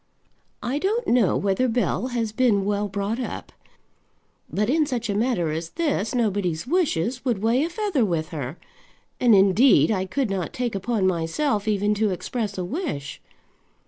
"I don't know whether Bell has been well brought up; but in such a matter as this nobody's wishes would weigh a feather with her; and, indeed, I could not take upon myself even to express a wish.